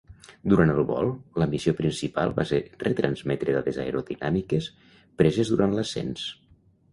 Durant el vol, la missió principal va ser retransmetre dades aerodinàmiques preses durant l'ascens.